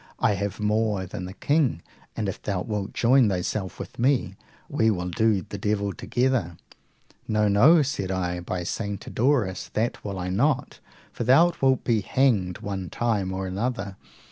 I have more than the king, and if thou wilt join thyself with me, we will do the devil together. No, no, said I; by St. Adauras, that will I not, for thou wilt be hanged one time or another.